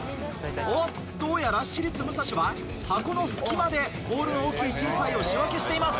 おっどうやら私立武蔵は箱の隙間でボールの大きい小さいを仕分けしています。